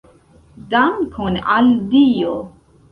Dankon al Dio!